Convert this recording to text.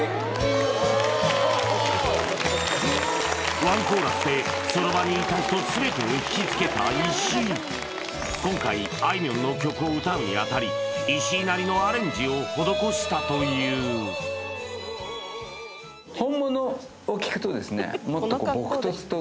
ワンコーラスでその場にいた人全てをひきつけた石井今回あいみょんの曲を歌うにあたり石井なりのアレンジを施したというはっはいああ